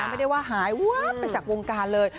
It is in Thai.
ไม่ได้ว่าหายวับไปจากวงการเลย